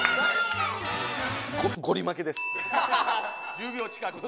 １０秒近く。